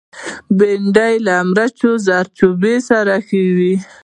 بېنډۍ له مرچ او زردچوبه سره ښه ده